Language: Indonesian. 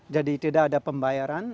jadi tidak ada pembayaran